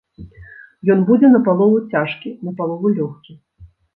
Ён будзе напалову цяжкі, напалову лёгкі.